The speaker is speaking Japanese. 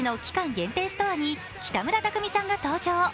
限定ストアに北村匠海さんが登場。